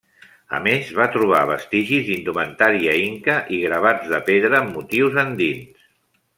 A més, va trobar vestigis d'indumentària inca i gravats de pedra amb motius andins.